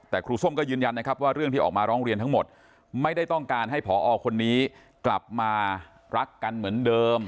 แต่ครูส้มก็ยืนยันนะครับว่าเรื่องที่ออกมาร้องเรียนทั้งหมดไม่ได้ต้องการให้ผอคนนี้กลับมารักกันเหมือนเดิม